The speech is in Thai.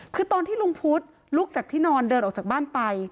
คือตอนที่ลุงพุทธลุกจากที่นอนเดินออกจากบ้านไป